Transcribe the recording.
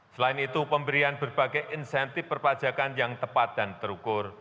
selain itu pemberian berbagai insentif perpajakan yang tepat dan terukur